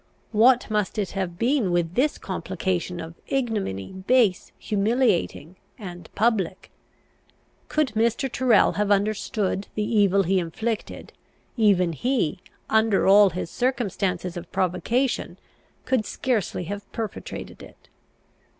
What must it have been with this complication of ignominy, base, humiliating, and public? Could Mr. Tyrrel have understood the evil he inflicted, even he, under all his circumstances of provocation, could scarcely have perpetrated it.